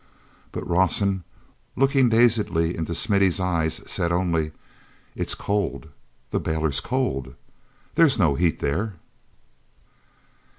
But Rawson, looking dazedly into Smithy's eyes, said only: "It's cold—the bailer's cold. There's no heat there."